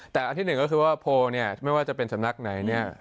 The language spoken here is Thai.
แต่อันที่หนึ่งก็คือว่าโพลเนี่ยไม่ว่าจะเป็นสำนักไหนเนี่ย